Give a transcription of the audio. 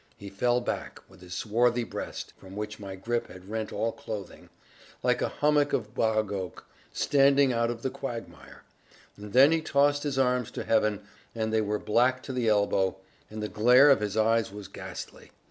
He fell back, with his swarthy breast (from which my grip had rent all clothing), like a hummock of bog oak, standing out the quagmire; and then he tossed his arms to heaven, and they were black to the elbow, and the glare of his eyes was ghastly.